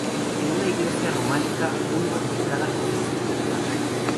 Es una iglesia románica muy modificada con posterioridad.